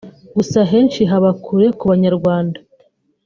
Gusa henshi haba kure ku Banyarwanda